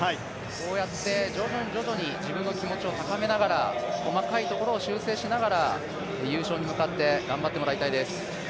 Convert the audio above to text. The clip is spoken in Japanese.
こうやって徐々に徐々に自分の気持ちを高めながら細かいところを修正しながら優勝に向かって頑張ってもらいたいです。